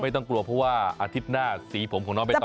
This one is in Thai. ต้องกลัวเพราะว่าอาทิตย์หน้าสีผมของน้องใบต